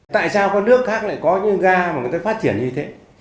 tại sao có nước khác lại có những ga mà người ta phát triển như thế